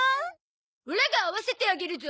オラが会わせてあげるゾ！